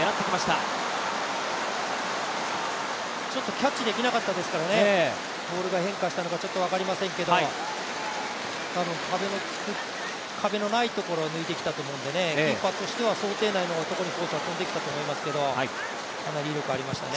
キャッチできなかったのか、ボールが変化したのか、よく分かりませんけど、壁のないところを抜いてきたので、キーパーとしては想定内のところに飛んできたと思いますけど、かなり威力ありましたね。